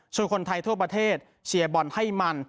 คนไทยทั่วประเทศเชียร์บอลให้มัน